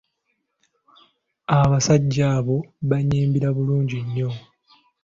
Abasajja abo bannyimbira bulungi nnyo.